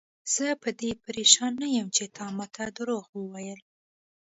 زه په دې پریشان نه یم چې تا ماته دروغ وویل.